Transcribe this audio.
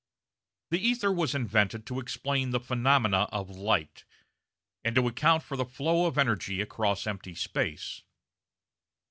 The ether was invented to explain the phenomena of light, and to account for the flow of energy across empty space.